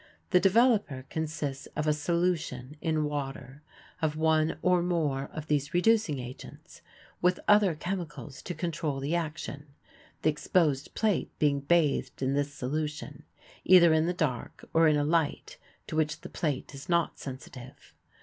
The developer consists of a solution in water of one or more of these reducing agents, with other chemicals to control the action, the exposed plate being bathed in this solution, either in the dark or in a light to which the plate is not sensitive.